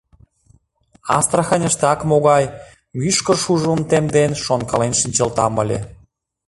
Астраханьыште ак могай, мӱшкыр шужымым темден, шонкален шинчылтам ыле.